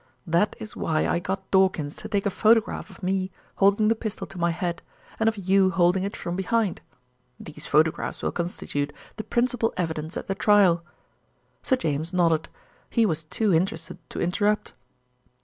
That is why I got Dawkins to take a photograph of me holding the pistol to my head and of you holding it from behind. These photographs will constitute the principal evidence at the trial." Sir James nodded. He was too interested to interrupt.